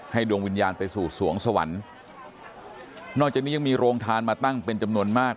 ดวงวิญญาณไปสู่สวงสวรรค์นอกจากนี้ยังมีโรงทานมาตั้งเป็นจำนวนมาก